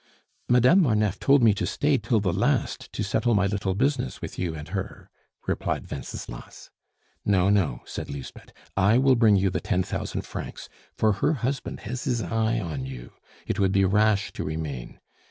"Madame Marneffe told me to stay till the last to settle my little business with you and her," replied Wenceslas. "No, no," said Lisbeth; "I will bring you the ten thousand francs, for her husband has his eye on you. It would be rash to remain.